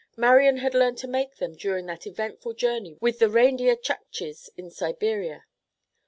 Marian had learned to make them during that eventful journey with the reindeer Chukches in Siberia.